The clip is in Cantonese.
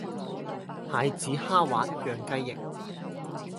蟹籽蝦滑釀雞翼